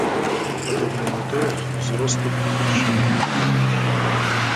Падобна на тое, узрост тут ні пры чым.